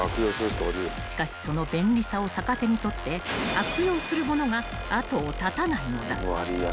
［しかしその便利さを逆手に取って悪用する者が後を絶たないのだ］